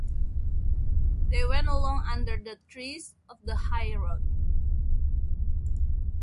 They went along under the trees of the highroad.